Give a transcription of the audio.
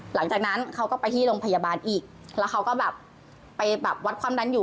หลังจากนั้นเขาก็ไปที่โรงพยาบาลอีกแล้วเขาก็แบบไปแบบวัดความดันอยู่